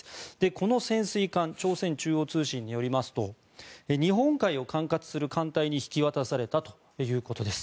この潜水艦朝鮮中央通信によりますと日本海を管轄する艦隊に引き渡されたということです。